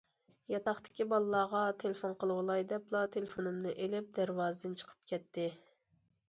ياتاقتىكى بالىلارغا تېلېفون قىلىۋالاي،- دەپلا تېلېفونۇمنى ئېلىپ دەرۋازىدىن چىقىپ كەتتى.